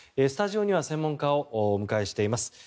スタジオには専門家をお迎えしています。